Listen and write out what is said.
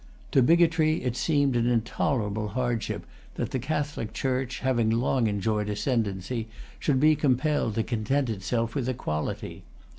To bigotry it seemed an intolerable hardship that the Catholic Church, having long enjoyed ascendency, should be compelled to content itself with equality.